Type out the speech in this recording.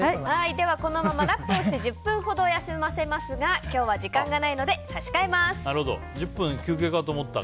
このままラップをして１０分ほど休ませますが今日は時間がないので差し替えます。